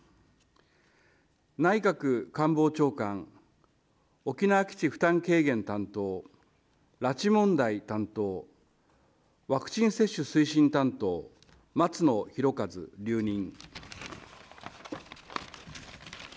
内閣官房長官、沖縄基地負担軽減担当、拉致問題担当、ワクチン接種推進担当、松野博一留任。